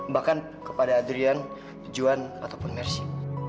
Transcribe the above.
bahkan kepada adrian juhan ataupun mercy